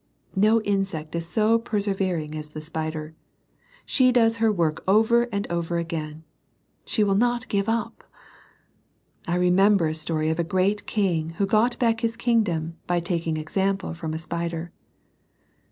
No insect is so per severing as the spider. She does her work over and over again. She will not give up. I remember a story of a great king who got back his kingdom by taking example from a spider.